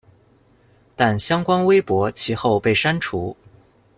但相关微博其后被删除。